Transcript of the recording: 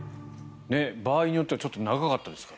場合によってはちょっと長かったですから。